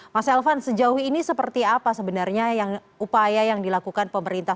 mas elvan sejauh ini seperti apa sebenarnya upaya yang dilakukan pemerintah